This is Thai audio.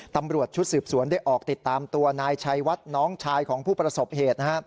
ตำรวจชุดสืบสวนได้ออกติดตามตัวนายชัยวัดน้องชายของผู้ประสบเหตุ